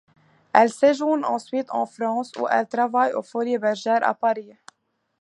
Elle séjourne ensuite en France, où elle travaille aux Folies Bergère à Paris.